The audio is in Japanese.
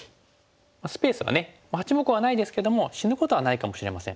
８目はないですけども死ぬことはないかもしれません。